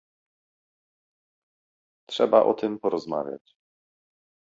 Trzeba o tym porozmawiać